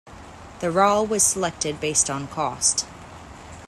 The "Rall" was selected based on cost.